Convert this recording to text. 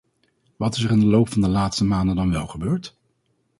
Wat is er in de loop van de laatste maanden dan wel gebeurd?